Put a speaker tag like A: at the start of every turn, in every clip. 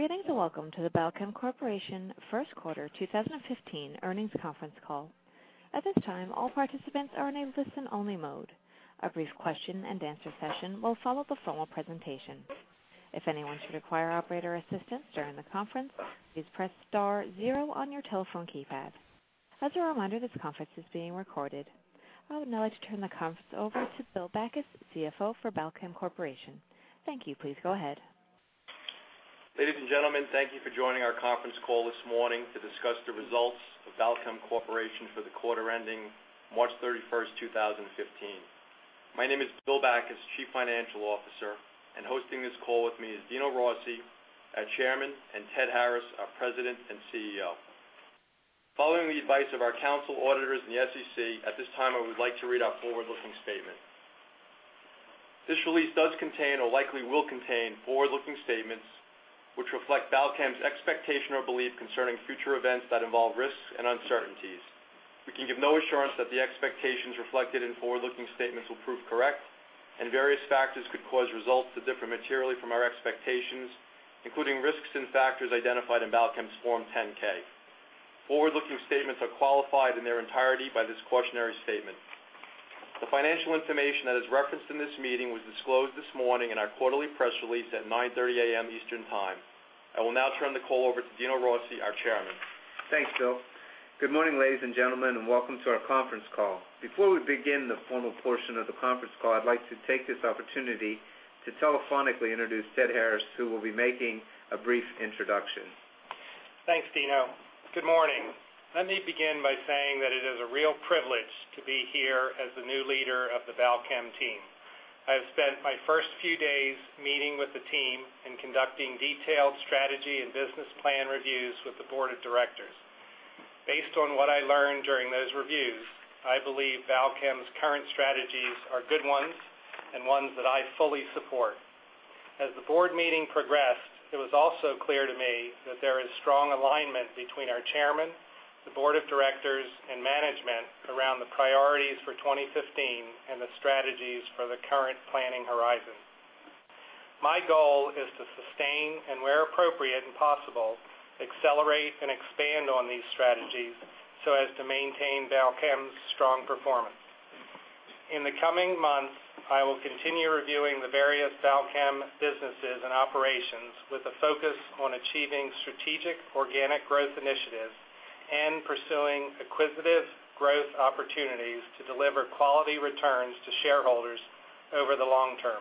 A: Greetings, welcome to the Balchem Corporation first quarter 2015 earnings conference call. At this time, all participants are in listen-only mode. A brief question and answer session will follow the formal presentation. If anyone should require operator assistance during the conference, please press star zero on your telephone keypad. As a reminder, this conference is being recorded. I would now like to turn the conference over to Bill Backus, CFO for Balchem Corporation. Thank you. Please go ahead.
B: Ladies and gentlemen, thank you for joining our conference call this morning to discuss the results of Balchem Corporation for the quarter ending March 31st, 2015. My name is Bill Backus, Chief Financial Officer, hosting this call with me is Dino Rossi, our Chairman, Ted Harris, our President and CEO. Following the advice of our council auditors and the SEC, at this time, I would like to read our forward-looking statement. This release does contain or likely will contain forward-looking statements, which reflect Balchem's expectation or belief concerning future events that involve risks and uncertainties. We can give no assurance that the expectations reflected in forward-looking statements will prove correct, various factors could cause results to differ materially from our expectations, including risks and factors identified in Balchem's Form 10-K. Forward-looking statements are qualified in their entirety by this cautionary statement. The financial information that is referenced in this meeting was disclosed this morning in our quarterly press release at 9:30 A.M. Eastern Time. I will now turn the call over to Dino Rossi, our Chairman.
C: Thanks, Bill. Good morning, ladies and gentlemen, welcome to our conference call. Before we begin the formal portion of the conference call, I'd like to take this opportunity to telephonically introduce Ted Harris, who will be making a brief introduction.
D: Thanks, Dino. Good morning. Let me begin by saying that it is a real privilege to be here as the new leader of the Balchem team. I have spent my first few days meeting with the team and conducting detailed strategy and business plan reviews with the board of directors. Based on what I learned during those reviews, I believe Balchem's current strategies are good ones and ones that I fully support. As the board meeting progressed, it was also clear to me that there is strong alignment between our chairman, the board of directors, and management around the priorities for 2015 and the strategies for the current planning horizon. My goal is to sustain, and where appropriate and possible, accelerate and expand on these strategies so as to maintain Balchem's strong performance. In the coming months, I will continue reviewing the various Balchem businesses and operations with a focus on achieving strategic organic growth initiatives and pursuing acquisitive growth opportunities to deliver quality returns to shareholders over the long term.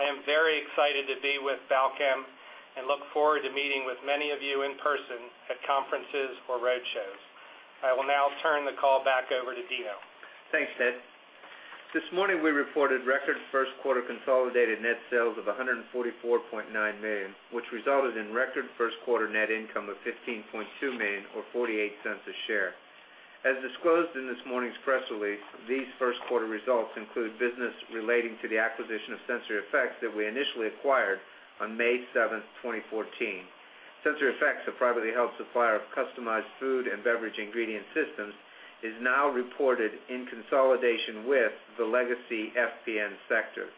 D: I am very excited to be with Balchem and look forward to meeting with many of you in person at conferences or roadshows. I will now turn the call back over to Dino.
C: Thanks, Ted. This morning, we reported record first quarter consolidated net sales of $144.9 million, which resulted in record first quarter net income of $15.2 million or $0.48 a share. As disclosed in this morning's press release, these first quarter results include business relating to the acquisition of SensoryEffects that we initially acquired on May 7, 2014. SensoryEffects, a privately held supplier of customized food and beverage ingredient systems, is now reported in consolidation with the legacy FPN sector.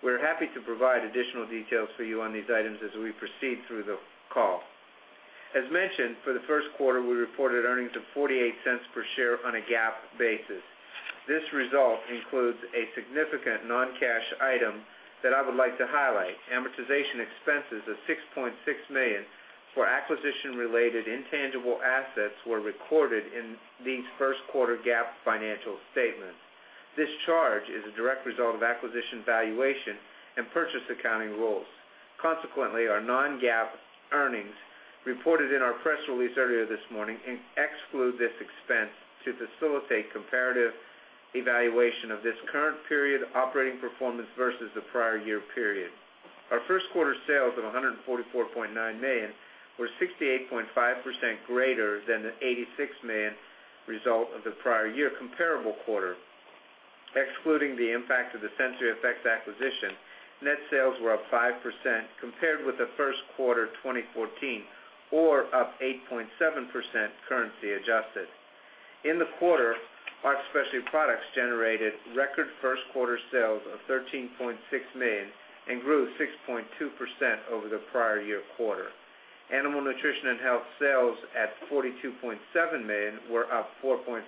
C: We're happy to provide additional details for you on these items as we proceed through the call. As mentioned, for the first quarter, we reported earnings of $0.48 per share on a GAAP basis. This result includes a significant non-cash item that I would like to highlight. Amortization expenses of $6.6 million for acquisition-related intangible assets were recorded in these first quarter GAAP financial statements. This charge is a direct result of acquisition valuation and purchase accounting rules. Our non-GAAP earnings reported in our press release earlier this morning exclude this expense to facilitate comparative evaluation of this current period operating performance versus the prior year period. Our first quarter sales of $144.9 million were 68.5% greater than the $86 million result of the prior year comparable quarter. Excluding the impact of the SensoryEffects acquisition, net sales were up 5% compared with the first quarter 2014 or up 8.7% currency adjusted. In the quarter, our ARC Specialty Products generated record first quarter sales of $13.6 million and grew 6.2% over the prior year quarter. Animal Nutrition and Health sales at $42.7 million were up 4.5%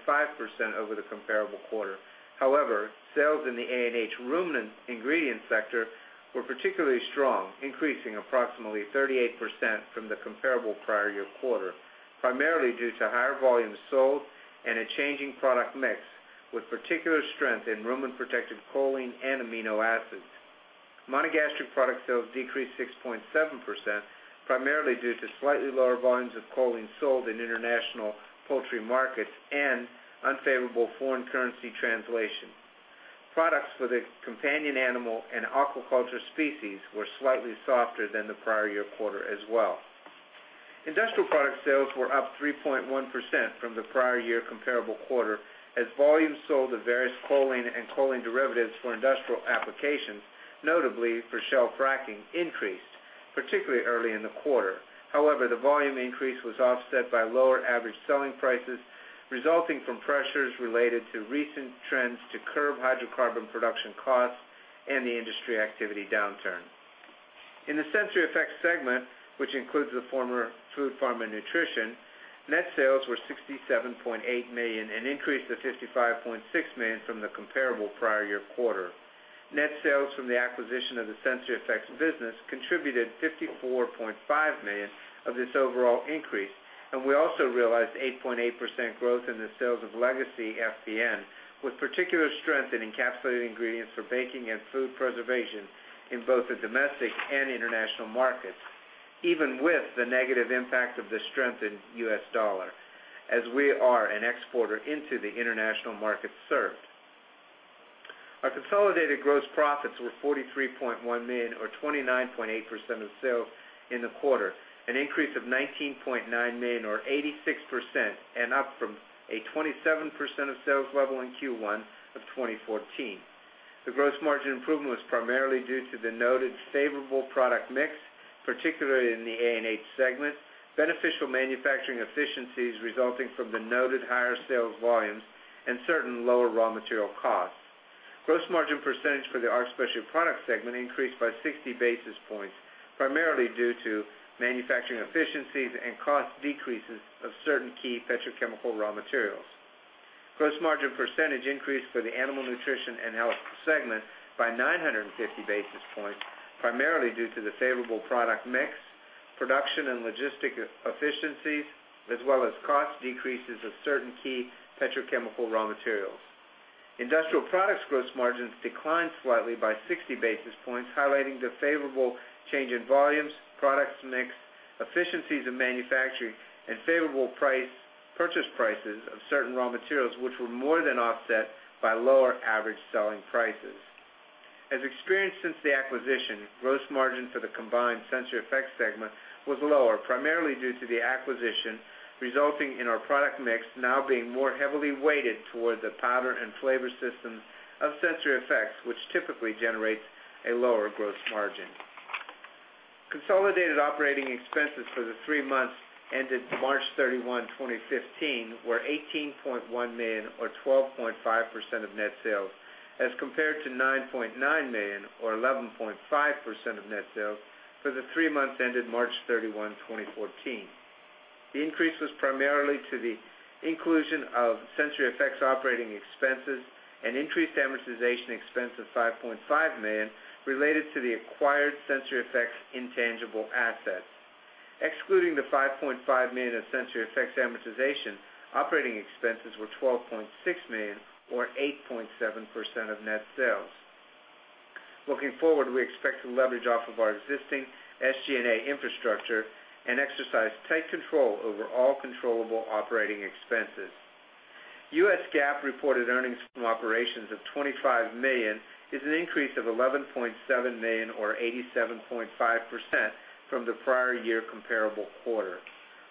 C: over the comparable quarter. However, sales in the ANH ruminant ingredient sector were particularly strong, increasing approximately 38% from the comparable prior year quarter, primarily due to higher volumes sold and a changing product mix, with particular strength in ruminant protected choline and amino acids. Monogastric product sales decreased 6.7%, primarily due to slightly lower volumes of choline sold in international poultry markets and unfavorable foreign currency translation. Products for the companion animal and aquaculture species were slightly softer than the prior year quarter as well. Industrial product sales were up 3.1% from the prior year comparable quarter as volumes sold of various choline and choline derivatives for industrial applications, notably for shale fracking, increased, particularly early in the quarter. However, the volume increase was offset by lower average selling prices resulting from pressures related to recent trends to curb hydrocarbon production costs and the industry activity downturn. In the SensoryEffects segment, which includes the former Food, Pharma, and Nutrition, net sales were $67.8 million, an increase of $55.6 million from the comparable prior year quarter. Net sales from the acquisition of the SensoryEffects business contributed $54.5 million of this overall increase. We also realized 8.8% growth in the sales of legacy FPN, with particular strength in encapsulated ingredients for baking and food preservation in both the domestic and international markets, even with the negative impact of the strengthened U.S. dollar, as we are an exporter into the international markets served. Our consolidated gross profits were $43.1 million, or 29.8% of sales in the quarter, an increase of $19.9 million or 86%, and up from a 27% of sales level in Q1 of 2014. The gross margin improvement was primarily due to the noted favorable product mix, particularly in the ANH segment, beneficial manufacturing efficiencies resulting from the noted higher sales volumes, and certain lower raw material costs. Gross margin percentage for the ARC Specialty Products segment increased by 60 basis points, primarily due to manufacturing efficiencies and cost decreases of certain key petrochemical raw materials. Gross margin percentage increased for the Animal Nutrition and Health segment by 950 basis points, primarily due to the favorable product mix, production and logistic efficiencies, as well as cost decreases of certain key petrochemical raw materials. Industrial products gross margins declined slightly by 60 basis points, highlighting the favorable change in volumes, products mix, efficiencies of manufacturing, and favorable purchase prices of certain raw materials, which were more than offset by lower average selling prices. As experienced since the acquisition, gross margin for the combined SensoryEffects segment was lower, primarily due to the acquisition, resulting in our product mix now being more heavily weighted toward the powder and flavor systems of SensoryEffects, which typically generates a lower gross margin. Consolidated operating expenses for the three months ended March 31, 2015, were $18.1 million, or 12.5% of net sales, as compared to $9.9 million or 11.5% of net sales for the three months ended March 31, 2014. The increase was primarily due to the inclusion of SensoryEffects operating expenses and increased amortization expense of $5.5 million related to the acquired SensoryEffects intangible assets. Excluding the $5.5 million of SensoryEffects amortization, operating expenses were $12.6 million or 8.7% of net sales. Looking forward, we expect to leverage off of our existing SG&A infrastructure and exercise tight control over all controllable operating expenses. U.S. GAAP reported earnings from operations of $25 million is an increase of $11.7 million or 87.5% from the prior year comparable quarter.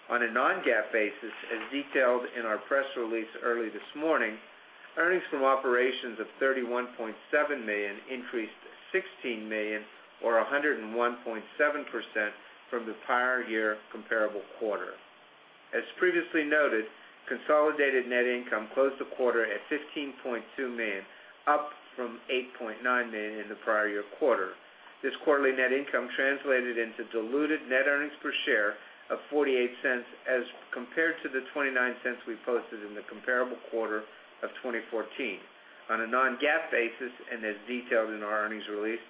C: On a non-GAAP basis, as detailed in our press release early this morning, earnings from operations of $31.7 million increased to $16 million or 101.7% from the prior year comparable quarter. As previously noted, consolidated net income closed the quarter at $15.2 million, up from $8.9 million in the prior year quarter. This quarterly net income translated into diluted net earnings per share of $0.48 as compared to the $0.29 we posted in the comparable quarter of 2014. On a non-GAAP basis, as detailed in our earnings release,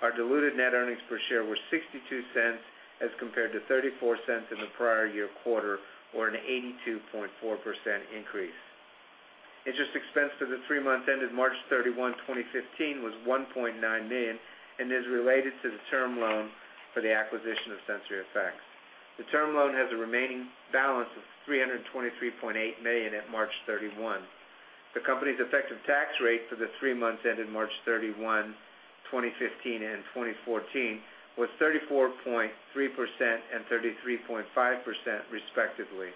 C: our diluted net earnings per share were $0.62 as compared to $0.34 in the prior year quarter, or an 82.4% increase. Interest expense for the three month ended March 31, 2015, was $1.9 million and is related to the term loan for the acquisition of SensoryEffects. The term loan has a remaining balance of $323.8 million at March 31. The company's effective tax rate for the three months ended March 31, 2015 and 2014 was 34.3% and 33.5%, respectively.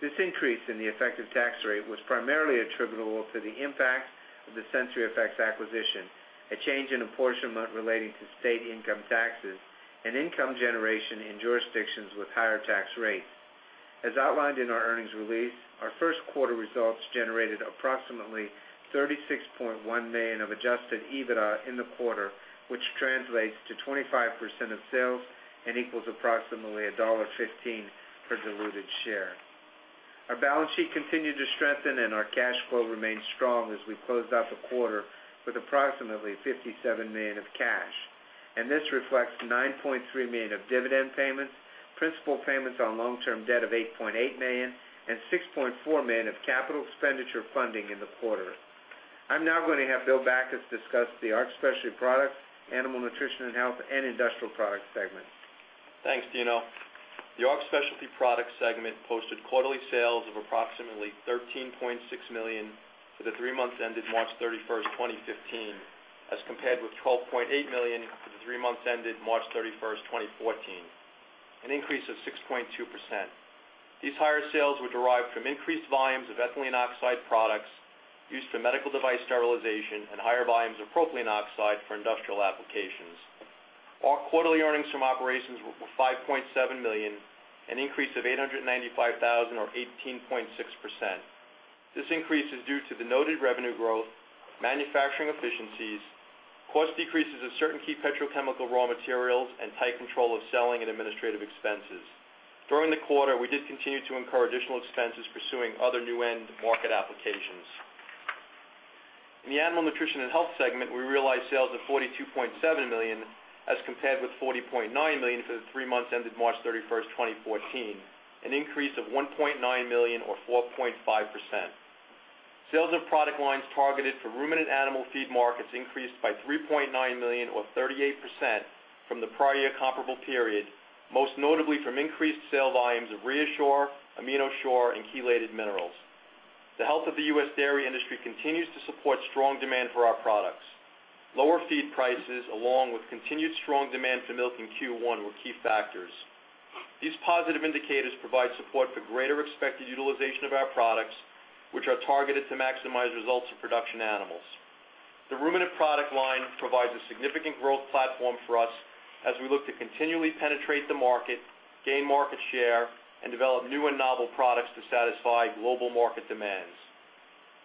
C: This increase in the effective tax rate was primarily attributable to the impact of the SensoryEffects acquisition, a change in apportionment relating to state income taxes, and income generation in jurisdictions with higher tax rates. As outlined in our earnings release, our first quarter results generated approximately $36.1 million of adjusted EBITDA in the quarter, which translates to 25% of sales and equals approximately $1.15 per diluted share. Our balance sheet continued to strengthen. Our cash flow remained strong as we closed out the quarter with approximately $57 million of cash. This reflects $9.3 million of dividend payments, principal payments on long-term debt of $8.8 million, and $6.4 million of capital expenditure funding in the quarter. I'm now going to have Bill Backus discuss the ARC Specialty Products, Animal Nutrition and Health, and Industrial Products segments.
B: Thanks, Dino. The ARC Specialty Products segment posted quarterly sales of approximately $13.6 million for the three months ended March 31st, 2015, as compared with $12.8 million for the three months ended March 31st, 2014, an increase of 6.2%. These higher sales were derived from increased volumes of ethylene oxide products used for medical device sterilization and higher volumes of propylene oxide for industrial applications. Our quarterly earnings from operations were $5.7 million, an increase of $895,000 or 18.6%. This increase is due to the noted revenue growth, manufacturing efficiencies, cost decreases of certain key petrochemical raw materials, and tight control of selling and administrative expenses. During the quarter, we did continue to incur additional expenses pursuing other new end market applications. In the Animal Nutrition and Health segment, we realized sales of $42.7 million as compared with $40.9 million for the three months ended March 31st, 2014, an increase of $1.9 million or 4.5%. Sales of product lines targeted for ruminant animal feed markets increased by $3.9 million or 38% from the prior year comparable period, most notably from increased sale volumes of ReaShure, AminoShure, and chelated minerals. The health of the U.S. dairy industry continues to support strong demand for our products. Lower feed prices, along with continued strong demand for milk in Q1, were key factors. These positive indicators provide support for greater expected utilization of our products, which are targeted to maximize results in production animals. The ruminant product line provides a significant growth platform for us as we look to continually penetrate the market, gain market share, and develop new and novel products to satisfy global market demands.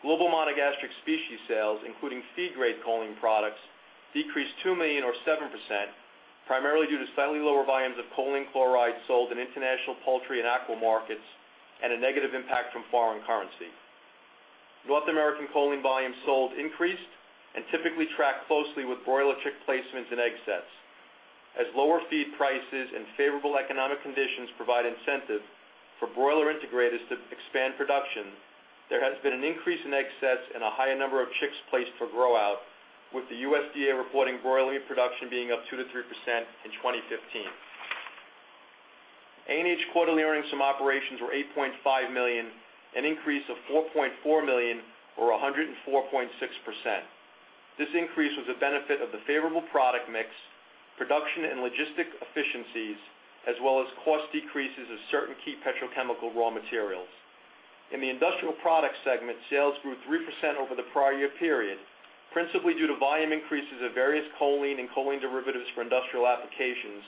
B: Global monogastric species sales, including feed-grade choline products, decreased $2 million or 7%, primarily due to slightly lower volumes of choline chloride sold in international poultry and aqua markets and a negative impact from foreign currency. North American choline volumes sold increased and typically track closely with broiler chick placements and egg sets. As lower feed prices and favorable economic conditions provide incentive for broiler integrators to expand production, there has been an increase in egg sets and a higher number of chicks placed for grow-out, with the USDA reporting broiler production being up 2% to 3% in 2015. ANH quarterly earnings from operations were $8.5 million, an increase of $4.4 million or 104.6%. This increase was a benefit of the favorable product mix, production and logistic efficiencies, as well as cost decreases of certain key petrochemical raw materials. In the Industrial Products segment, sales grew 3% over the prior year period, principally due to volume increases of various choline and choline derivatives for industrial applications,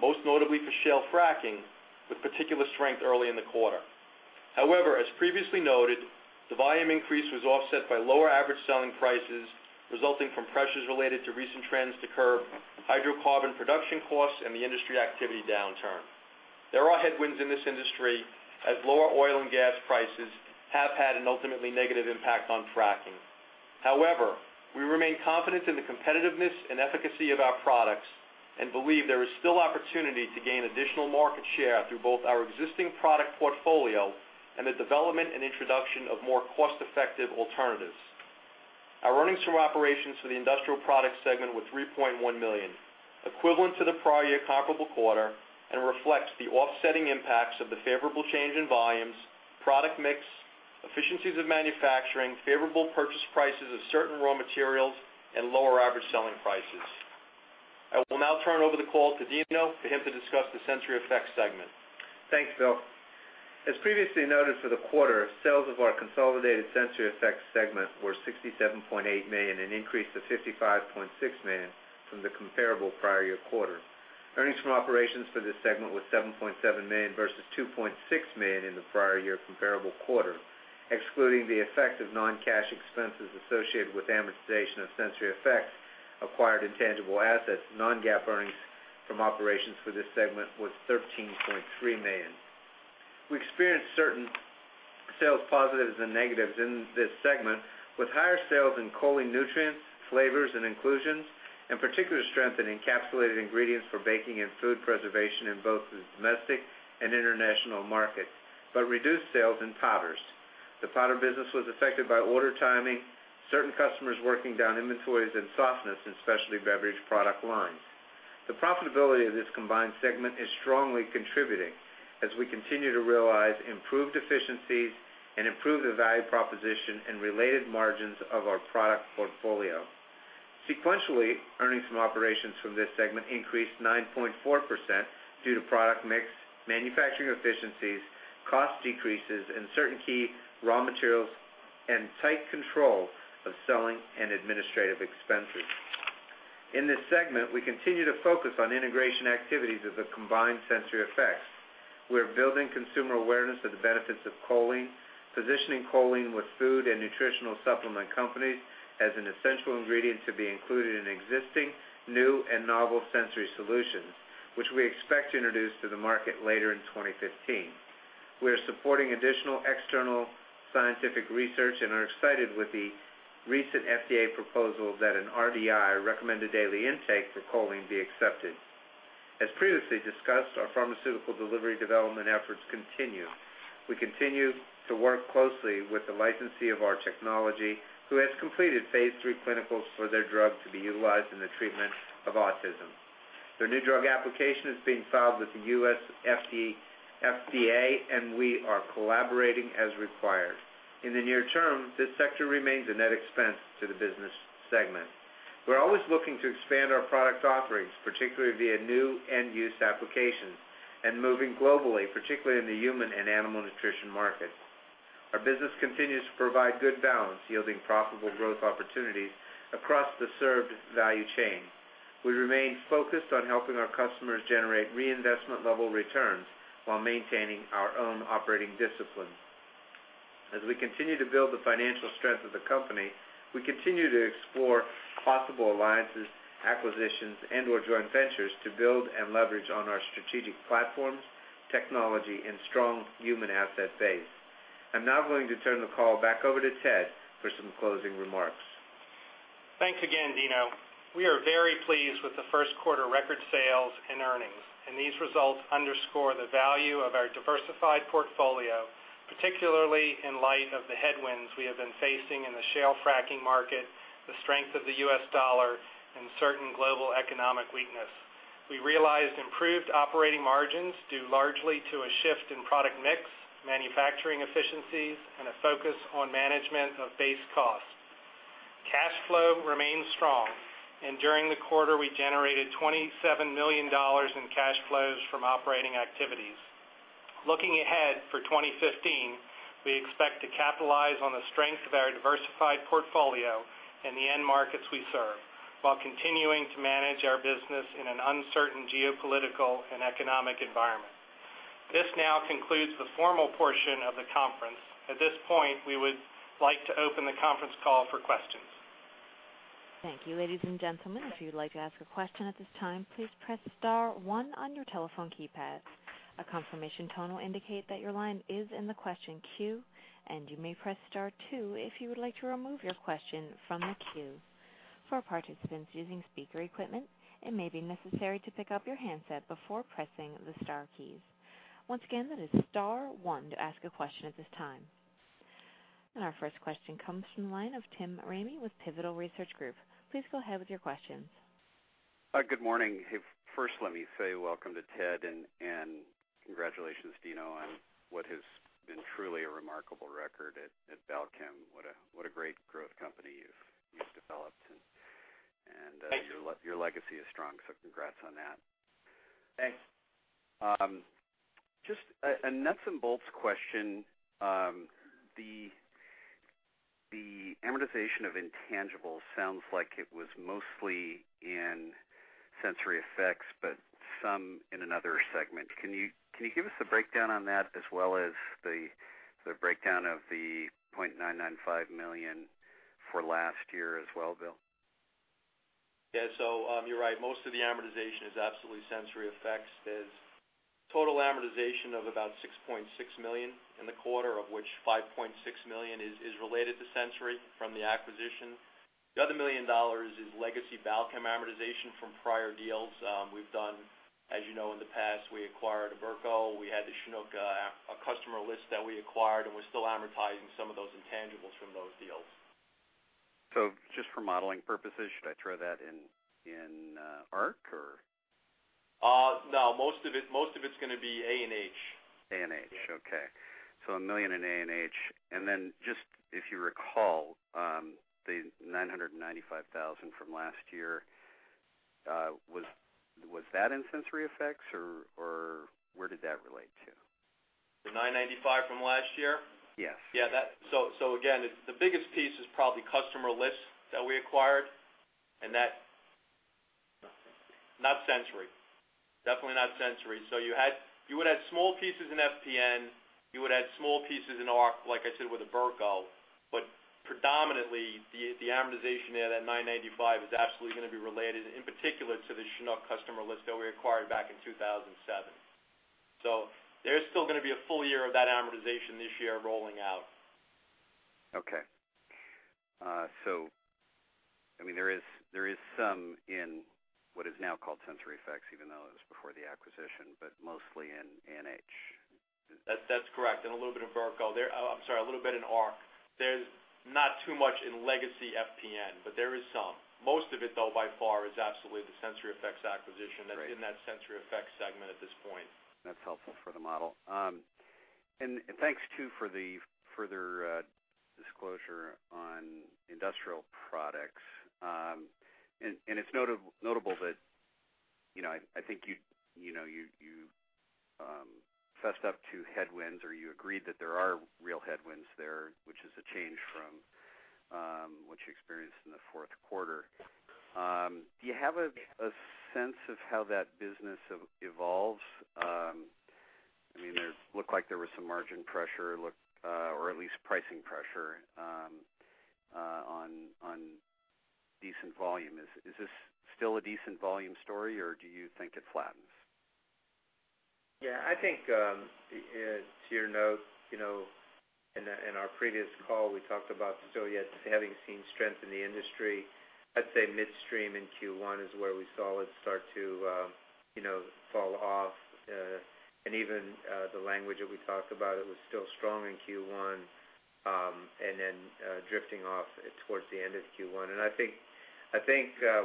B: most notably for shale fracking, with particular strength early in the quarter. As previously noted, the volume increase was offset by lower average selling prices resulting from pressures related to recent trends to curb hydrocarbon production costs and the industry activity downturn. There are headwinds in this industry as lower oil and gas prices have had an ultimately negative impact on fracking. We remain confident in the competitiveness and efficacy of our products and believe there is still opportunity to gain additional market share through both our existing product portfolio and the development and introduction of more cost-effective alternatives. Our earnings from operations for the Industrial Products segment were $3.1 million, equivalent to the prior year comparable quarter, and reflects the offsetting impacts of the favorable change in volumes, product mix, efficiencies of manufacturing, favorable purchase prices of certain raw materials, and lower average selling prices. I will now turn over the call to Dino for him to discuss the SensoryEffects segment.
C: Thanks, Bill. As previously noted for the quarter, sales of our consolidated SensoryEffects segment were $67.8 million, an increase of $55.6 million from the comparable prior year quarter. Earnings from operations for this segment were $7.7 million versus $2.6 million in the prior year comparable quarter. Excluding the effect of non-cash expenses associated with amortization of SensoryEffects acquired intangible assets, non-GAAP earnings from operations for this segment was $13.3 million. We experienced certain sales positives and negatives in this segment, with higher sales in choline nutrients, flavors, and inclusions, and particular strength in encapsulated ingredients for baking and food preservation in both the domestic and international markets, but reduced sales in powders. The powder business was affected by order timing, certain customers working down inventories, and softness in specialty beverage product lines. The profitability of this combined segment is strongly contributing as we continue to realize improved efficiencies and improve the value proposition and related margins of our product portfolio. Sequentially, earnings from operations from this segment increased 9.4% due to product mix, manufacturing efficiencies, cost decreases in certain key raw materials, and tight control of selling and administrative expenses. In this segment, we continue to focus on integration activities of the combined SensoryEffects. We are building consumer awareness of the benefits of choline, positioning choline with food and nutritional supplement companies as an essential ingredient to be included in existing, new, and novel sensory solutions, which we expect to introduce to the market later in 2015. We are supporting additional external scientific research and are excited with the recent FDA proposal that an RDI, recommended daily intake, for choline be accepted. As previously discussed, our pharmaceutical delivery development efforts continue. We continue to work closely with the licensee of our technology who has completed phase III clinicals for their drug to be utilized in the treatment of autism. Their new drug application is being filed with the U.S. FDA, and we are collaborating as required. In the near term, this sector remains a net expense to the business segment. We are always looking to expand our product offerings, particularly via new end-use applications, and moving globally, particularly in the human and animal nutrition market. Our business continues to provide good balance, yielding profitable growth opportunities across the served value chain. We remain focused on helping our customers generate reinvestment level returns while maintaining our own operating discipline. As we continue to build the financial strength of the company, we continue to explore possible alliances, acquisitions, and/or joint ventures to build and leverage on our strategic platforms, technology, and strong human asset base. I am now going to turn the call back over to Ted for some closing remarks.
D: Thanks again, Dino. We are very pleased with the first quarter record sales and earnings. These results underscore the value of our diversified portfolio, particularly in light of the headwinds we have been facing in the shale fracking market, the strength of the US dollar, and certain global economic weakness. We realized improved operating margins due largely to a shift in product mix, manufacturing efficiencies, and a focus on management of base costs. Cash flow remains strong. During the quarter we generated $27 million in cash flows from operating activities. Looking ahead for 2015, we expect to capitalize on the strength of our diversified portfolio and the end markets we serve, while continuing to manage our business in an uncertain geopolitical and economic environment. This now concludes the formal portion of the conference. At this point, we would like to open the conference call for questions.
A: Thank you, ladies and gentlemen. If you'd like to ask a question at this time, please press star one on your telephone keypad. A confirmation tone will indicate that your line is in the question queue. You may press star two if you would like to remove your question from the queue. For participants using speaker equipment, it may be necessary to pick up your handset before pressing the star keys. Once again, that is star one to ask a question at this time. Our first question comes from the line of Tim Ramey with Pivotal Research Group. Please go ahead with your questions.
E: Hi. Good morning. First let me say welcome to Ted and congratulations, Dino, on what has been truly a remarkable record at Balchem. What a great growth company you've developed.
C: Thank you
E: your legacy is strong, congrats on that.
C: Thanks.
E: Just a nuts and bolts question. The amortization of intangibles sounds like it was mostly in SensoryEffects, but some in another segment. Can you give us a breakdown on that as well as the breakdown of the $0.995 million for last year as well, Bill?
B: Yeah. You're right. Most of the amortization is absolutely SensoryEffects. There's total amortization of about $6.6 million in the quarter, of which $5.6 million is related to Sensory from the acquisition. The other $1 million is legacy Balchem amortization from prior deals. We've done, as you know, in the past, we acquired Burco. We had the Chinook customer list that we acquired, and we're still amortizing some of those intangibles from those deals.
E: Just for modeling purposes, should I throw that in ARC or?
B: No, most of it's going to be A&H.
E: A&H.
B: Yeah.
E: Okay. $1 million in A&H, and then just if you recall, the $995,000 from last year, was that in SensoryEffects or where did that relate to?
B: The $995 from last year? Yes. Yeah. Again, the biggest piece is probably customer lists that we acquired.
E: Not Sensory
B: not Sensory. Definitely not Sensory. You would add small pieces in FPN. You would add small pieces in ARC, like I said, with Burco. Predominantly, the amortization there, that $995, is absolutely going to be related, in particular, to the Chinook customer list that we acquired back in 2007. There's still going to be a full year of that amortization this year rolling out.
E: Okay. There is some in what is now called SensoryEffects, even though it was before the acquisition, but mostly in ANH.
B: That's correct. A little bit in Burco there. I'm sorry, a little bit in ARC. There's not too much in legacy FPN, but there is some. Most of it though, by far, is absolutely the SensoryEffects acquisition.
E: Right
B: That is in that SensoryEffects Segment at this point.
E: That's helpful for the model. Thanks too for the further disclosure on industrial products. It's notable that I think you fessed up to headwinds or you agreed that there are real headwinds there, which is a change from what you experienced in the fourth quarter. Do you have a sense of how that business evolves? It looked like there was some margin pressure, or at least pricing pressure, on decent volume. Is this still a decent volume story, or do you think it flattens?
C: I think, to your note, in our previous call, we talked about still yet having seen strength in the industry. I'd say midstream in Q1 is where we saw it start to fall off. Even the language that we talked about, it was still strong in Q1, then drifting off towards the end of Q1. I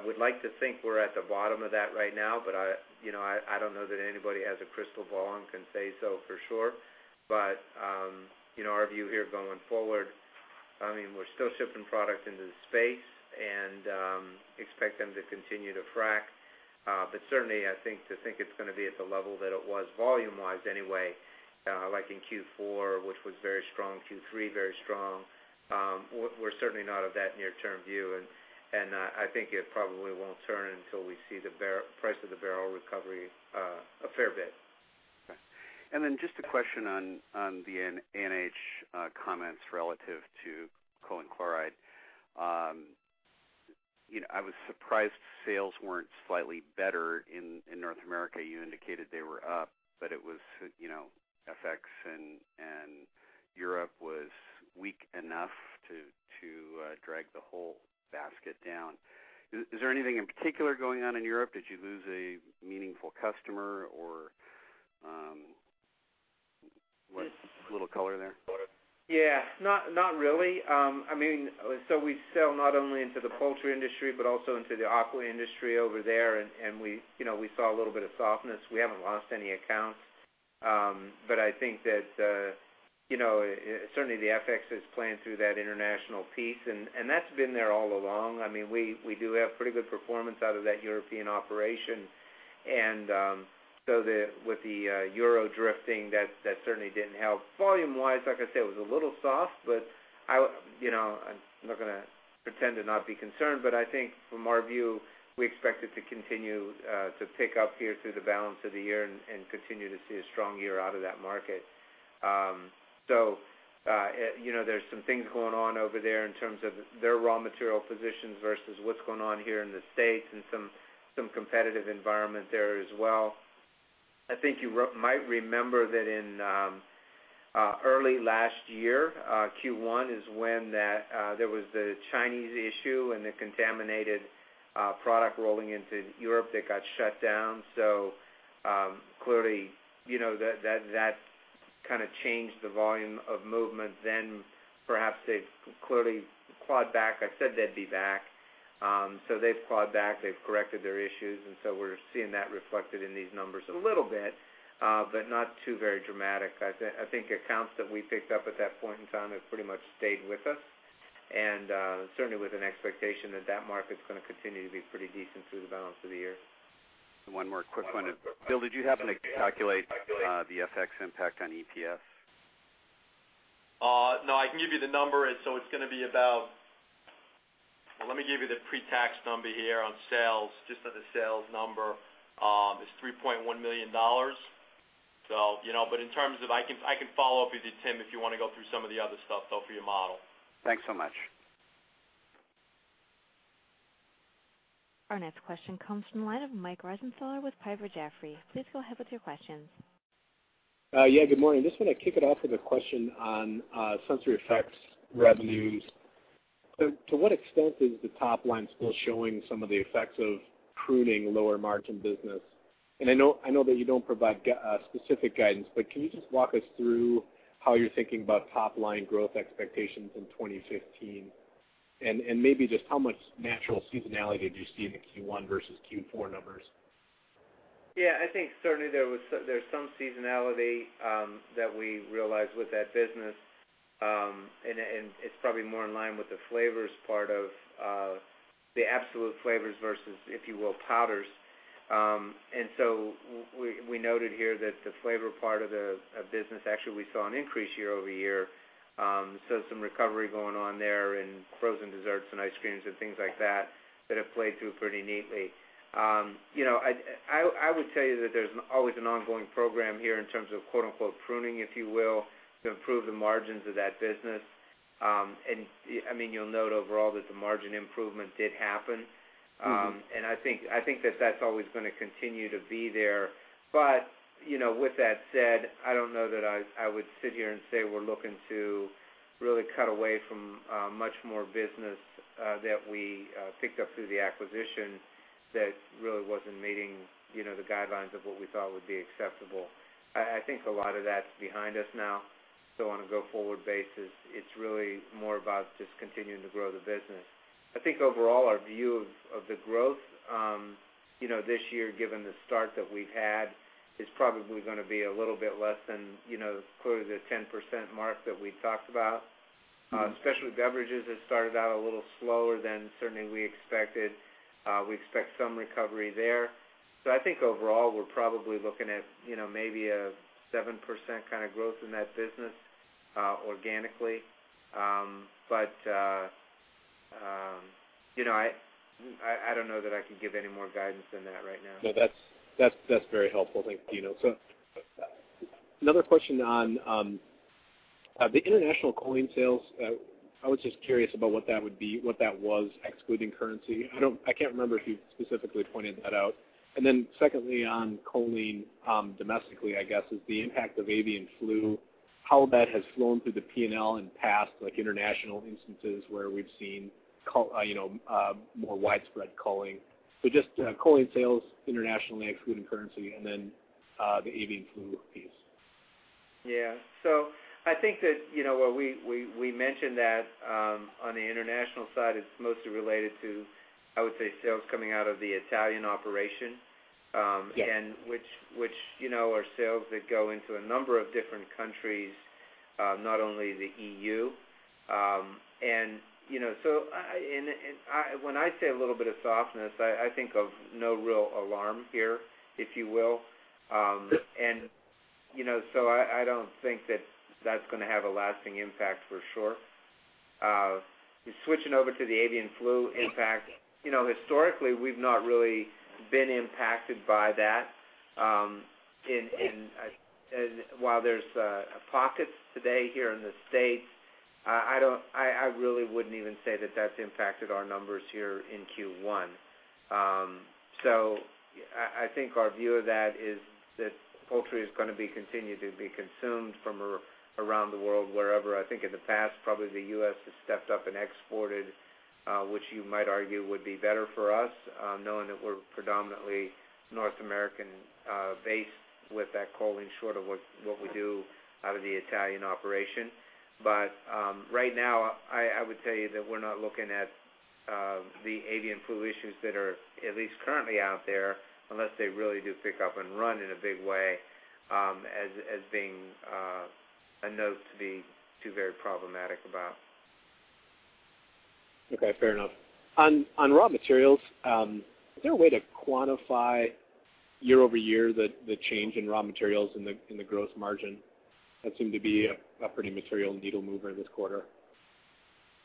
C: would like to think we're at the bottom of that right now, but I don't know that anybody has a crystal ball and can say so for sure. Our view here going forward, we're still shipping product into the space and expect them to continue to frack. Certainly, I think to think it's going to be at the level that it was volume-wise anyway, like in Q4, which was very strong, Q3, very strong. We're certainly not of that near-term view, and I think it probably won't turn until we see the price of the barrel recovery a fair bit.
E: Okay. Just a question on the ANH comments relative to choline chloride. I was surprised sales weren't slightly better in North America. You indicated they were up, but it was FX and Europe was weak enough to drag the whole basket down. Is there anything in particular going on in Europe? Did you lose a meaningful customer or Just a little color there.
C: Yeah. Not really. We sell not only into the poultry industry, but also into the aqua industry over there, and we saw a little bit of softness. We haven't lost any accounts. I think that certainly the FX has planned through that international piece, and that's been there all along. We do have pretty good performance out of that European operation. With the euro drifting, that certainly didn't help. Volume wise, like I said, it was a little soft, I'm not going to pretend to not be concerned, but I think from our view, we expect it to continue to pick up here through the balance of the year and continue to see a strong year out of that market. There's some things going on over there in terms of their raw material positions versus what's going on here in the States and some competitive environment there as well. I think you might remember that in early last year, Q1 is when there was the Chinese issue and the contaminated product rolling into Europe that got shut down. Clearly, that kind of changed the volume of movement then. Perhaps they've clearly clawed back. I said they'd be back. They've clawed back, they've corrected their issues, we're seeing that reflected in these numbers a little bit, but not too very dramatic. I think accounts that we picked up at that point in time have pretty much stayed with us, and certainly with an expectation that that market's going to continue to be pretty decent through the balance of the year.
E: One more quick one. Bill, did you happen to calculate the FX impact on EPS?
C: No, I can give you the number. It's going to be about Let me give you the pre-tax number here on sales, just as a sales number. It's $3.1 million. I can follow up with you, Tim, if you want to go through some of the other stuff, though, for your model.
E: Thanks so much.
A: Our next question comes from the line of Mike Ritzenthaler with Piper Jaffray. Please go ahead with your questions.
F: Yeah, good morning. Just want to kick it off with a question on SensoryEffects revenues. To what extent is the top line still showing some of the effects of pruning lower margin business? I know that you don't provide specific guidance, but can you just walk us through how you're thinking about top-line growth expectations in 2015, and maybe just how much natural seasonality do you see in the Q1 versus Q4 numbers?
C: I think certainly there's some seasonality that we realize with that business. It's probably more in line with the absolute flavors versus, if you will, powders. We noted here that the flavor part of the business, actually, we saw an increase year-over-year. Some recovery going on there in frozen desserts and ice creams and things like that have played through pretty neatly. I would tell you that there's always an ongoing program here in terms of quote-unquote pruning, if you will, to improve the margins of that business. You'll note overall that the margin improvement did happen. I think that that's always going to continue to be there. With that said, I don't know that I would sit here and say we're looking to really cut away from much more business that we picked up through the acquisition that really wasn't meeting the guidelines of what we thought would be acceptable. I think a lot of that's behind us now. On a go-forward basis, it's really more about just continuing to grow the business. I think overall, our view of the growth this year, given the start that we've had, is probably going to be a little bit less than clearly the 10% mark that we talked about. Especially beverages, it started out a little slower than certainly we expected. We expect some recovery there. I think overall, we're probably looking at maybe a 7% kind of growth in that business organically. I don't know that I can give any more guidance than that right now.
F: That's very helpful. Thank you. Another question on the international choline sales. I was just curious about what that was excluding currency. I can't remember if you specifically pointed that out. Then secondly, on choline domestically, I guess is the impact of avian flu, how that has flown through the P&L in past international instances where we've seen more widespread culling. Just choline sales internationally excluding currency, and then the avian flu piece.
C: Yeah. I think that we mentioned that on the international side, it's mostly related to, I would say, sales coming out of the Italian operation.
F: Yes.
C: Which are sales that go into a number of different countries. Not only the EU. When I say a little bit of softness, I think of no real alarm here, if you will. I don't think that's going to have a lasting impact for sure. Switching over to the avian flu impact. Historically, we've not really been impacted by that. While there's pockets today here in the U.S., I really wouldn't even say that's impacted our numbers here in Q1. I think our view of that is that poultry is going to be continued to be consumed from around the world, wherever. I think in the past, probably the U.S. has stepped up and exported, which you might argue would be better for us, knowing that we're predominantly North American-based with that choline short of what we do out of the Italian operation. Right now, I would tell you that we're not looking at the avian flu issues that are at least currently out there, unless they really do pick up and run in a big way, as being a note to be too very problematic about.
F: Okay, fair enough. On raw materials, is there a way to quantify year-over-year the change in raw materials in the gross margin? That seemed to be a pretty material needle mover this quarter.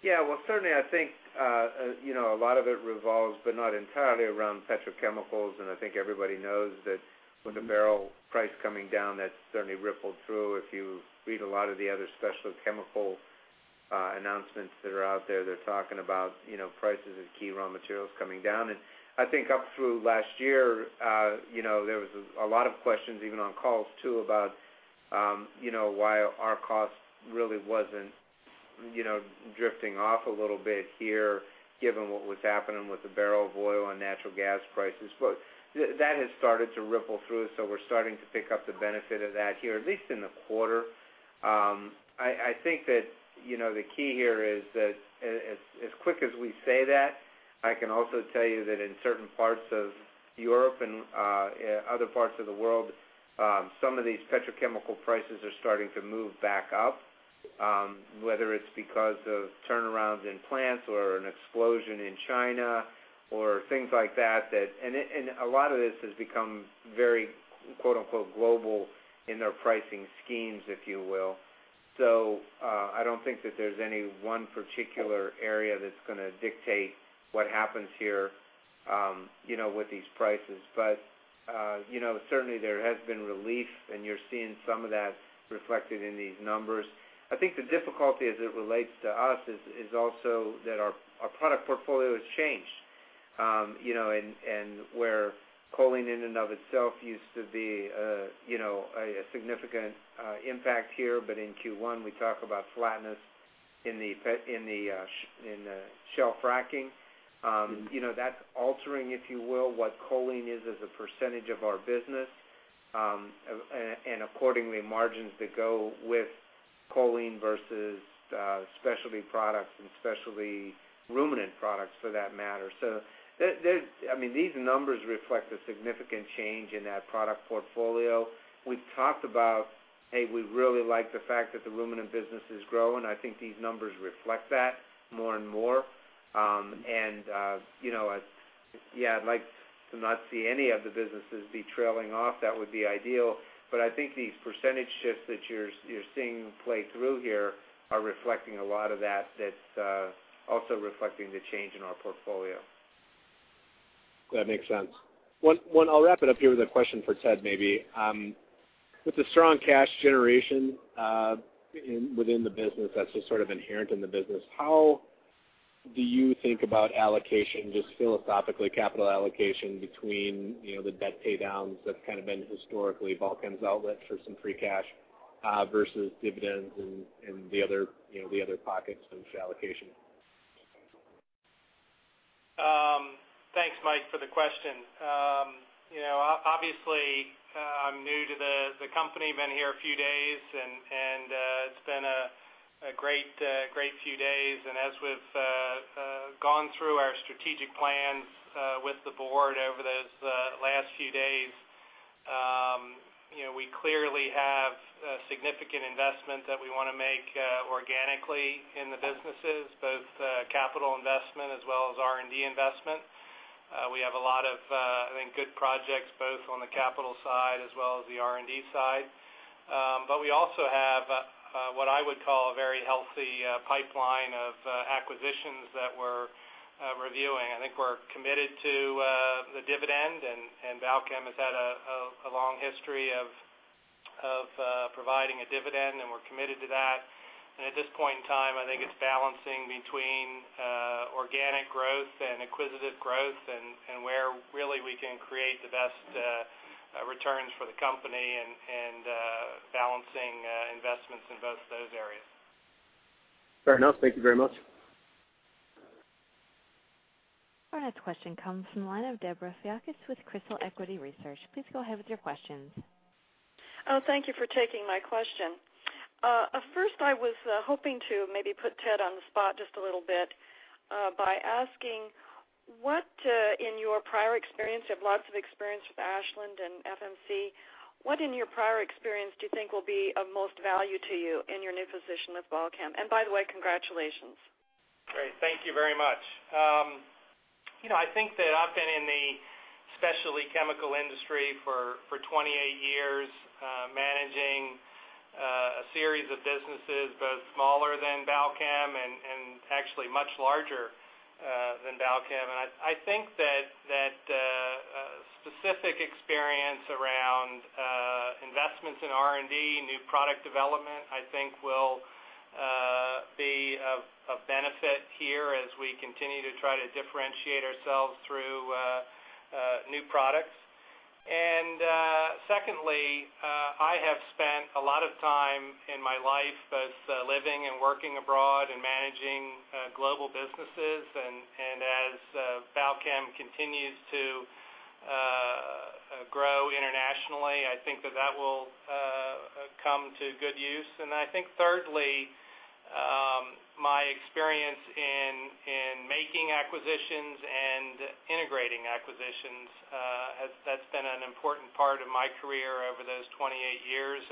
C: Well, certainly, I think a lot of it revolves, but not entirely, around petrochemicals. I think everybody knows that when the barrel price coming down, that certainly rippled through. If you read a lot of the other special chemical announcements that are out there, they're talking about prices of key raw materials coming down. I think up through last year, there was a lot of questions even on calls too about why our cost really wasn't drifting off a little bit here given what was happening with the barrel of oil and natural gas prices. That has started to ripple through, we're starting to pick up the benefit of that here, at least in the quarter. I think that the key here is that as quick as we say that, I can also tell you that in certain parts of Europe and other parts of the world, some of these petrochemical prices are starting to move back up, whether it's because of turnarounds in plants or an explosion in China or things like that. A lot of this has become very "global" in their pricing schemes, if you will. I don't think that there's any one particular area that's going to dictate what happens here with these prices. Certainly, there has been relief, and you're seeing some of that reflected in these numbers. I think the difficulty as it relates to us is also that our product portfolio has changed. Where choline in and of itself used to be a significant impact here, but in Q1, we talk about flatness in the shale fracking. That's altering, if you will, what choline is as a percentage of our business. Accordingly, margins that go with choline versus specialty products and specialty ruminant products for that matter. These numbers reflect a significant change in that product portfolio. We've talked about, hey, we really like the fact that the ruminant business is growing. I think these numbers reflect that more and more. Yeah, I'd like to not see any of the businesses be trailing off. That would be ideal. I think these percentage shifts that you're seeing play through here are reflecting a lot of that's also reflecting the change in our portfolio.
F: That makes sense. I'll wrap it up here with a question for Ted maybe. With the strong cash generation within the business that's just sort of inherent in the business, how do you think about allocation, just philosophically, capital allocation between the debt pay downs that's kind of been historically Balchem's outlet for some free cash versus dividends and the other pockets of allocation?
D: Thanks, Mike, for the question. Obviously, I'm new to the company, been here a few days, and it's been a great few days. As we've gone through our strategic plans with the board over those last few days, we clearly have a significant investment that we want to make organically in the businesses, both capital investment as well as R&D investment. We have a lot of, I think, good projects, both on the capital side as well as the R&D side. We also have what I would call a very healthy pipeline of acquisitions that we're reviewing. I think we're committed to the dividend, and Balchem has had a long history of providing a dividend, and we're committed to that. At this point in time, I think it's balancing between organic growth and acquisitive growth and where really we can create the best returns for the company and balancing investments in both those areas.
F: Fair enough. Thank you very much.
A: Our next question comes from the line of Debra Fiakas with Crystal Equity Research. Please go ahead with your questions.
G: Thank you for taking my question. First, I was hoping to maybe put Ted on the spot just a little bit by asking What, in your prior experience, you have lots of experience with Ashland and FMC, what in your prior experience do you think will be of most value to you in your new position with Balchem? By the way, congratulations.
D: Great. Thank you very much. I think that I've been in the specialty chemical industry for 28 years, managing a series of businesses both smaller than Balchem and actually much larger than Balchem. I think that specific experience around investments in R&D and new product development, I think will be of benefit here as we continue to try to differentiate ourselves through new products. Secondly, I have spent a lot of time in my life both living and working abroad and managing global businesses. As Balchem continues to grow internationally, I think that that will come to good use. I think thirdly, my experience in making acquisitions and integrating acquisitions, that's been an important part of my career over those 28 years.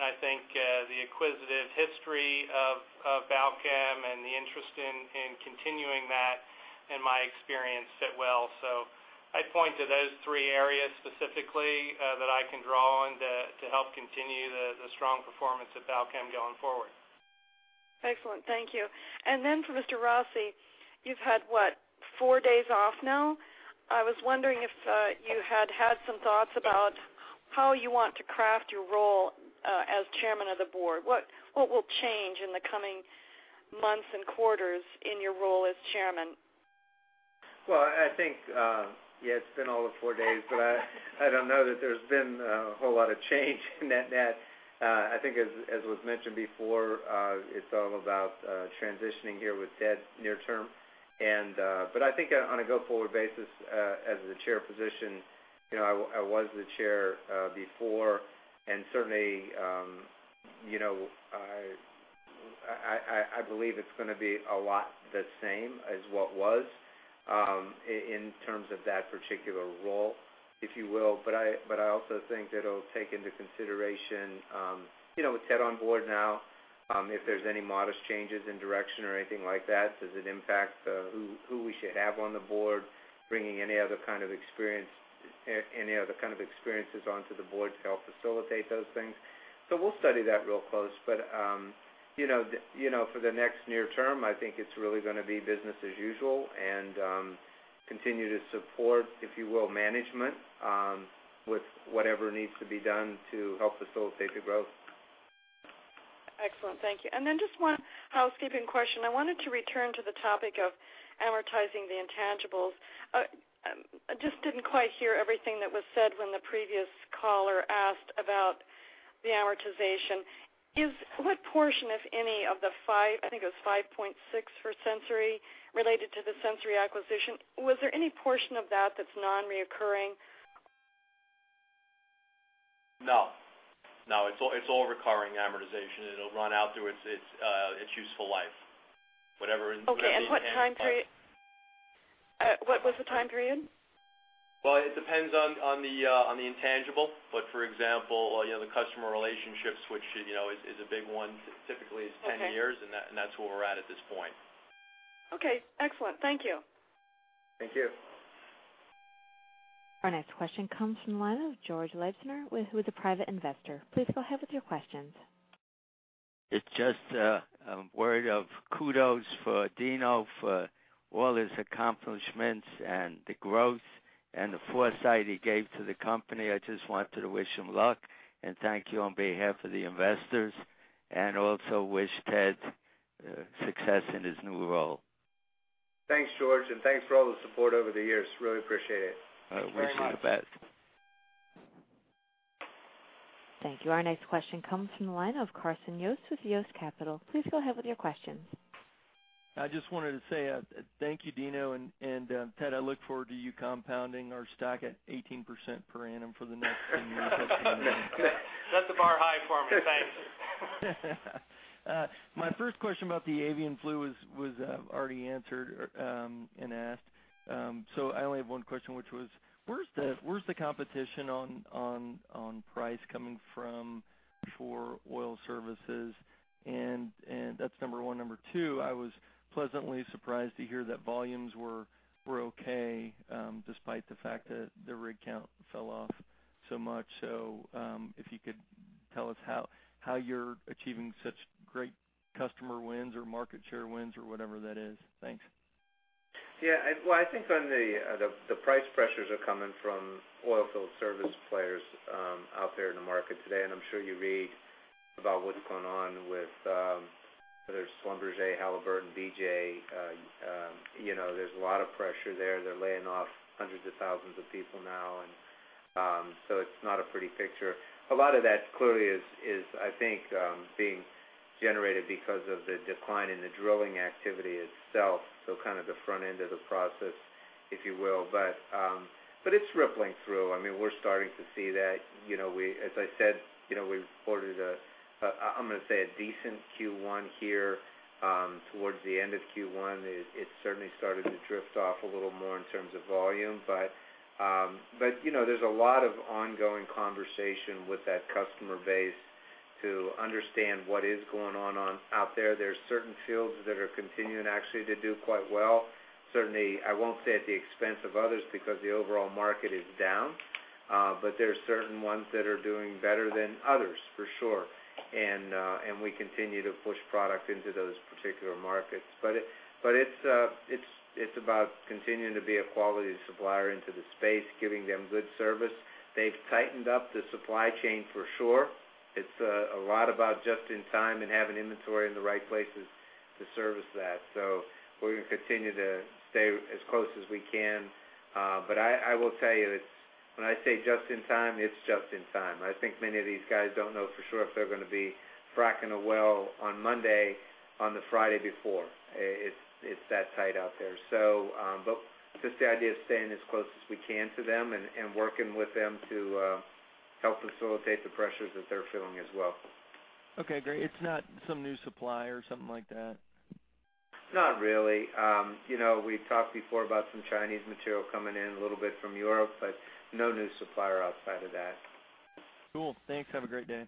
D: I think the acquisitive history of Balchem and the interest in continuing that and my experience fit well. I'd point to those three areas specifically, that I can draw on to help continue the strong performance of Balchem going forward.
G: Excellent. Thank you. For Mr. Rossi, you've had, what, four days off now? I was wondering if you had had some thoughts about how you want to craft your role as Chairman of the Board. What will change in the coming months and quarters in your role as Chairman?
C: Well, I think, yeah, it's been all of four days, but I don't know that there's been a whole lot of change in that. I think as was mentioned before, it's all about transitioning here with Ted near term. I think on a go-forward basis, as the chair position, I was the chair before, and certainly I believe it's going to be a lot the same as what was, in terms of that particular role, if you will. I also think that it'll take into consideration, with Ted on board now, if there's any modest changes in direction or anything like that, does it impact who we should have on the board, bringing any other kind of experiences onto the board to help facilitate those things. We'll study that real close, but for the next near term, I think it's really going to be business as usual and continue to support, if you will, management, with whatever needs to be done to help facilitate the growth.
G: Excellent. Thank you. Then just one housekeeping question. I wanted to return to the topic of amortizing the intangibles. I just didn't quite hear everything that was said when the previous caller asked about the amortization. What portion, if any, of the five, I think it was 5.6 for Sensory, related to the Sensory acquisition, was there any portion of that that's non-recurring?
B: No. It's all recurring amortization, and it'll run out through its useful life.
G: Okay, what time period? What was the time period?
B: Well, it depends on the intangible, but for example, the customer relationships, which is a big one, typically is 10 years. Okay. That's where we're at this point.
G: Okay. Excellent. Thank you.
B: Thank you.
A: Our next question comes from the line of George Leitzner, who is a private investor. Please go ahead with your questions. It's just a word of kudos for Dino for all his accomplishments and the growth and the foresight he gave to the company. I just wanted to wish him luck, and thank you on behalf of the investors, and also wish Ted success in his new role.
D: Thanks, George, and thanks for all the support over the years. Really appreciate it.
C: I wish you the best.
A: Thank you. Our next question comes from the line of Carson Yost with Yost Capital. Please go ahead with your questions.
H: I just wanted to say thank you, Dino, and Ted, I look forward to you compounding our stock at 18% per annum for the next 10 years.
D: Set the bar high for me. Thanks.
H: My first question about the avian flu was already answered, and asked. I only have one question, which was, where's the competition on price coming from for oil services? That's number one. Number two, I was pleasantly surprised to hear that volumes were okay, despite the fact that the rig count fell off so much. If you could tell us how you're achieving such great customer wins or market share wins or whatever that is. Thanks.
C: Well, I think the price pressures are coming from oilfield service players out there in the market today, and I'm sure you read about what's going on with, whether it's Schlumberger, Halliburton, BJ. There's a lot of pressure there. They're laying off hundreds of thousands of people now, it's not a pretty picture. A lot of that clearly is, I think, being generated because of the decline in the drilling activity itself, kind of the front end of the process, if you will. It's rippling through. We're starting to see that. As I said, we reported a decent Q1 here. Towards the end of Q1, it certainly started to drift off a little more in terms of volume. There's a lot of ongoing conversation with that customer base to understand what is going on out there. There are certain fields that are continuing actually to do quite well. Certainly, I won't say at the expense of others, because the overall market is down. There are certain ones that are doing better than others, for sure. We continue to push product into those particular markets. It's about continuing to be a quality supplier into the space, giving them good service. They've tightened up the supply chain for sure. It's a lot about just in time and having inventory in the right places to service that. We're going to continue to stay as close as we can. I will tell you, when I say just in time, it's just in time. I think many of these guys don't know for sure if they're going to be fracking a well on Monday, on the Friday before. It's that tight out there. Just the idea of staying as close as we can to them and working with them to help facilitate the pressures that they're feeling as well.
H: Okay, great. It's not some new supplier or something like that?
C: Not really. We've talked before about some Chinese material coming in, a little bit from Europe, but no new supplier outside of that.
H: Cool. Thanks. Have a great day.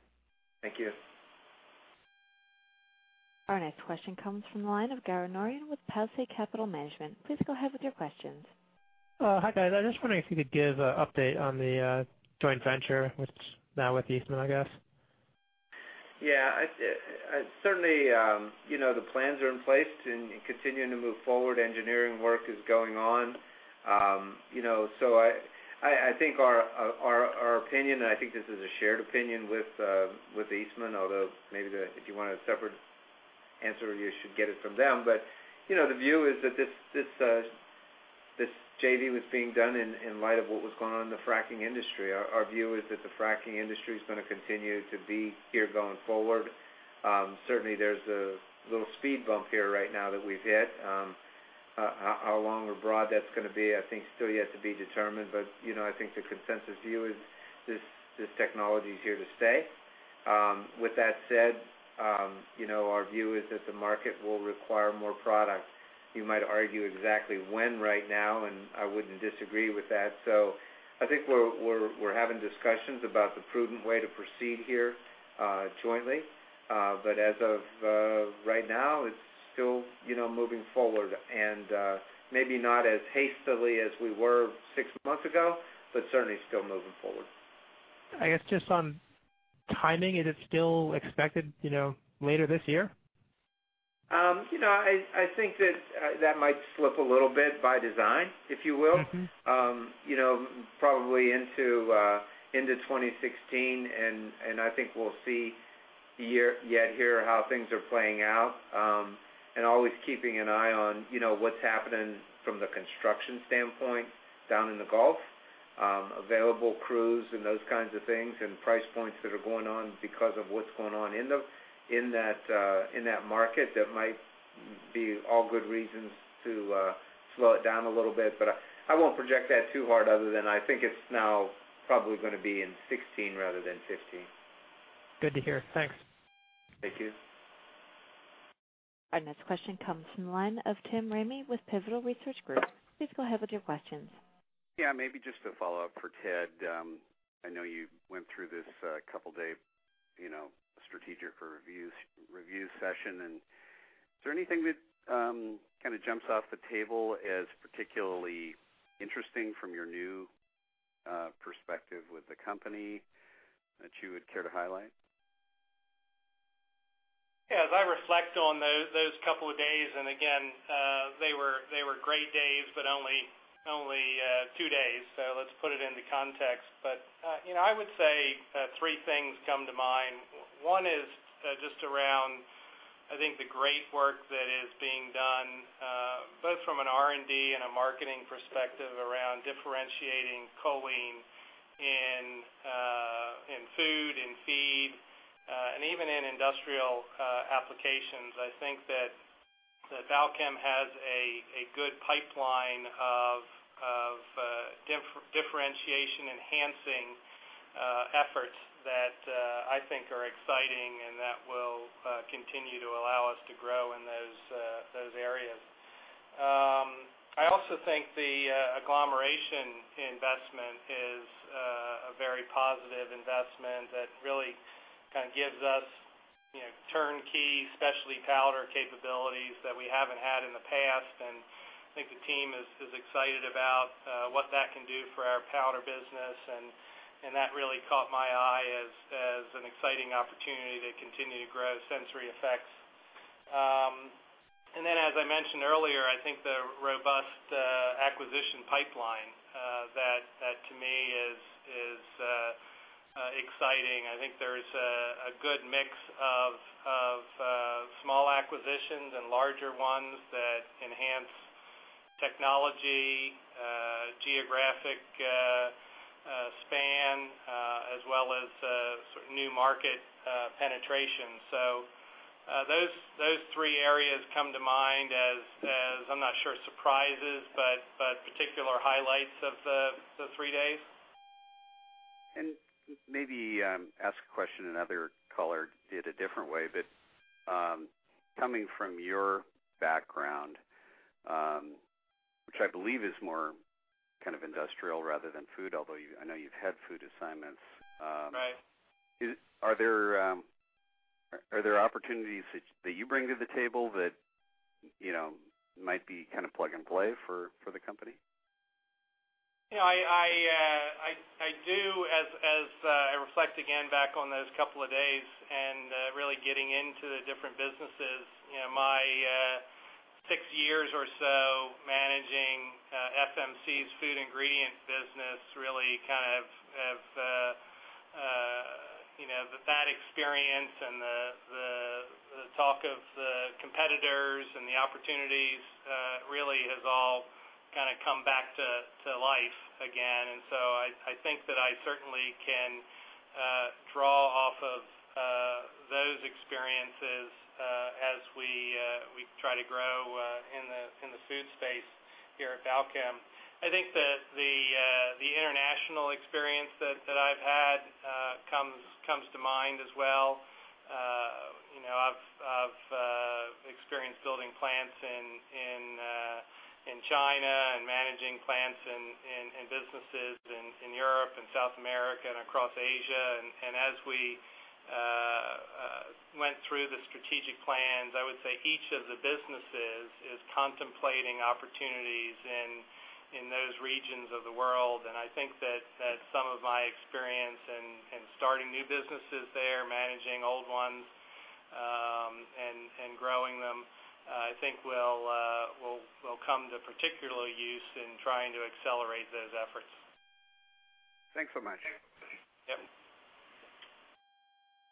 C: Thank you.
A: Our next question comes from the line of Garo Norian with Palisade Capital Management. Please go ahead with your questions.
I: Hi, guys. I'm just wondering if you could give an update on the joint venture, which now with Eastman, I guess.
C: Yeah. Certainly, the plans are in place and continuing to move forward. Engineering work is going on. I think our opinion, I think this is a shared opinion with Eastman, although maybe if you want a separate answer, you should get it from them. The view is that this JV was being done in light of what was going on in the fracking industry. Our view is that the fracking industry is going to continue to be here going forward. Certainly, there's a little speed bump here right now that we've hit. How long or broad that's going to be, I think still yet to be determined. I think the consensus view is this technology is here to stay. With that said, our view is that the market will require more product. You might argue exactly when right now, and I wouldn't disagree with that. I think we're having discussions about the prudent way to proceed here jointly. As of right now, it's still moving forward, and maybe not as hastily as we were 6 months ago, but certainly still moving forward.
I: I guess just on timing, is it still expected later this year?
C: I think that might slip a little bit by design, if you will. Probably into 2016. I think we'll see yet here how things are playing out. Always keeping an eye on what's happening from the construction standpoint down in the Gulf. Available crews and those kinds of things, and price points that are going on because of what's going on in that market, that might be all good reasons to slow it down a little bit. I won't project that too hard other than I think it's now probably going to be in 2016 rather than 2015.
I: Good to hear. Thanks.
C: Thank you.
A: Our next question comes from the line of Tim Ramey with Pivotal Research Group. Please go ahead with your questions.
E: Yeah. Maybe just a follow-up for Ted. I know you went through this couple-day strategic review session. Is there anything that kind of jumps off the table as particularly interesting from your new perspective with the company that you would care to highlight?
D: Yeah. As I reflect on those couple of days, and again, they were great days, but only two days. Let's put it into context. I would say three things come to mind. One is just around, I think the great work that is being done, both from an R&D and a marketing perspective around differentiating choline in food and feed, and even in industrial applications. I think that Balchem has a good pipeline of differentiation enhancing efforts that I think are exciting and that will continue to allow us to grow in those areas. I also think the agglomeration investment is a very positive investment that really kind of gives us turnkey specialty powder capabilities that we haven't had in the past. I think the team is excited about what that can do for our powder business, and that really caught my eye as an exciting opportunity to continue to grow SensoryEffects. As I mentioned earlier, I think the robust acquisition pipeline that to me is exciting. I think there's a good mix of small acquisitions and larger ones that enhance technology, geographic span, as well as new market penetration. Those three areas come to mind as, I'm not sure surprises, but particular highlights of the three days.
E: Maybe ask a question another caller did a different way. Coming from your background, which I believe is more kind of industrial rather than food, although I know you've had food assignments.
D: Right.
E: Are there opportunities that you bring to the table that might be kind of plug and play for the company?
D: Yeah. I do, as I reflect again back on those couple of days and really getting into the different businesses. My six years or so managing FMC's food ingredient business, really kind of that experience and the talk of the competitors and the opportunities, really has all kind of come back to life again. I think that I certainly can draw off of those experiences as we try to grow in the food space here at Balchem. I think that the international experience that I've had comes to mind as well. I've experienced building plants in China and managing plants and businesses in Europe and South America and across Asia. As we went through the strategic plans, I would say each of the businesses is contemplating opportunities in those regions of the world. I think that some of my experience in starting new businesses there, managing old ones, and growing them, I think will come to particular use in trying to accelerate those efforts.
E: Thanks so much.
D: Yep.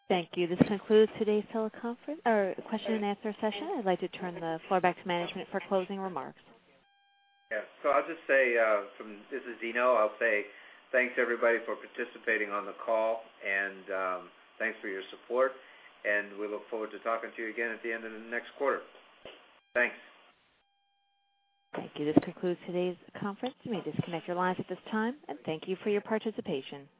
A: Thank you. This concludes today's question and answer session. I'd like to turn the floor back to management for closing remarks.
C: This is Dino. I'll say thanks everybody for participating on the call and thanks for your support, and we look forward to talking to you again at the end of the next quarter. Thanks.
A: Thank you. This concludes today's conference. You may disconnect your lines at this time, and thank you for your participation.